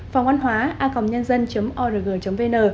phòng oan hóa a n g org vn